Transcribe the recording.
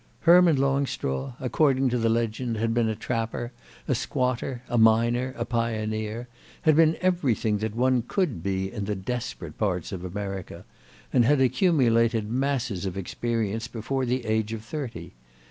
Herman Longstraw, according to the legend, had been a trapper, a squatter, a miner, a pioneer—had been everything that one could be in the desperate parts of America, and had accumulated masses of experience before the age of thirty.